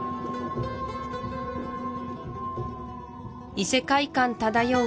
異世界感漂う